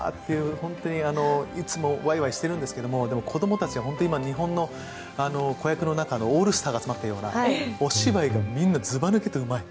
本当にいつもワイワイしてるんですけど子供たちは日本の子役の中のオールスターが集まってるようなお芝居がみんなずば抜けてうまい！